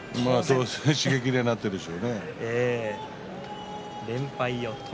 刺激になっているでしょうね。